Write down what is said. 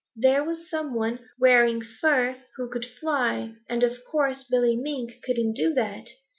There was some one wearing fur who could fly, and of course Billy Mink couldn't do that.